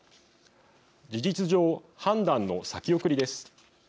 事実上、判断の先送りです。